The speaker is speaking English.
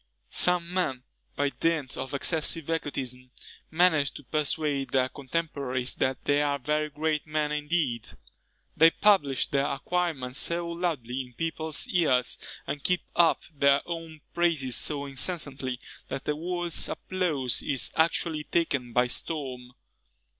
Some men, by dint of excessive egotism, manage to persuade their contemporaries that they are very great men indeed: they publish their acquirements so loudly in people's ears, and keep up their own praises so incessantly, that the world's applause is actually taken by storm.